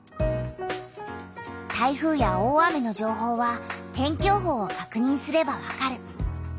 台風や大雨の情報は天気予報をかくにんすればわかる。